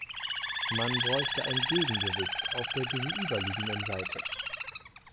Man bräuchte ein Gegengewicht auf der gegenüberliegenden Seite.